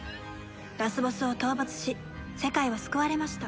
ラスボスを討伐し世界は救われました。